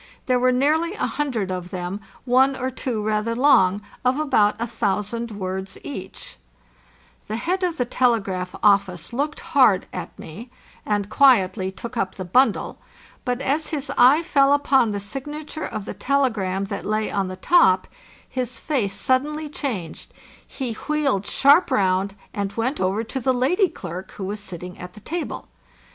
There were nearly a hundred of them, one or two rather long, of about a thousand words each, The head of the telegraph office looked hard at me, and quietly took up the bundle; but as his eye fell upon the signature of the telegram that lay on the top, his face suddenly changed, he wheeled sharp round, and went over to the lady clerk who was sitting at the table.